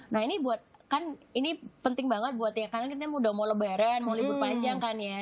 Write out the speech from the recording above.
nah ini buat kan ini penting banget buat ya karena kita mau udah mau lebaran mau libur panjang kan ya